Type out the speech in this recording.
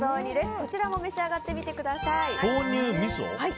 こちらも召し上がってみてください。